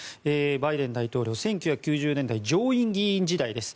バイデン大統領、１９９０年代上院議員時代です。